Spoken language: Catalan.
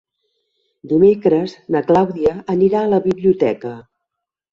Dimecres na Clàudia anirà a la biblioteca.